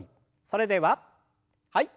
それでははい。